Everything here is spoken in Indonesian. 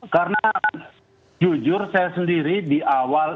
karena jujur saya sendiri di awal ini